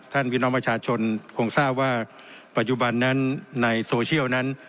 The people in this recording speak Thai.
พี่น้องประชาชนคงทราบว่าปัจจุบันนั้นในโซเชียลนั้น